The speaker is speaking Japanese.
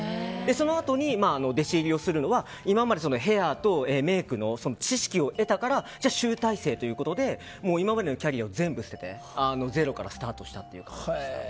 そのあとに、弟子入りをするのは今までヘアとメイクの知識を得たから集大成ということで今までのキャリアを全部捨ててゼロからスタートしたっていうことです。